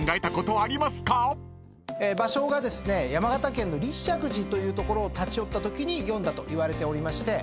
芭蕉がですね山形県の立石寺という所を立ち寄ったときに詠んだといわれておりまして。